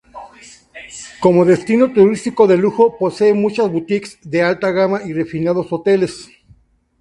Como destino turístico de lujo, posee muchas boutiques de alta gama y refinados hoteles.